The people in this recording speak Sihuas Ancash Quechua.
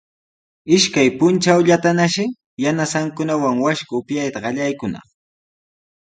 Ishkay puntrawllatanashi yanasankunawan washku upyayta qallaykunaq.